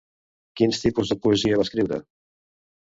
Quins tipus de poesia va escriure?